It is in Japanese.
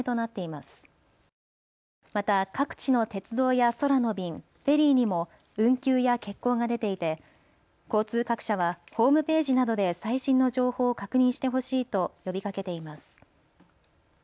また各地の鉄道や空の便、フェリーにも運休や欠航が出ていて交通各社はホームページなどで最新の情報を確認してほしいと呼びかけています。